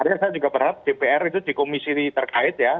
saya juga berharap dpr itu di komisi terkait ya